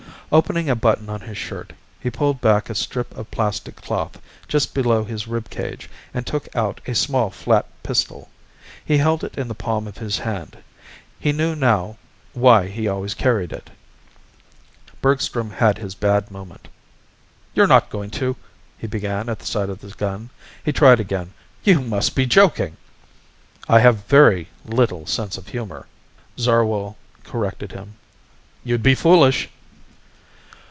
Opening a button on his shirt, he pulled back a strip of plastic cloth just below his rib cage and took out a small flat pistol. He held it in the palm of his hand. He knew now why he always carried it. Bergstrom had his bad moment. "You're not going to ..." he began at the sight of the gun. He tried again. "You must be joking." "I have very little sense of humor," Zarwell corrected him. "You'd be foolish!"